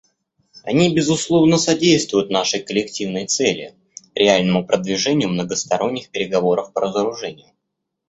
Они, безусловно, содействуют нашей коллективной цели — реальному продвижению многосторонних переговоров по разоружению.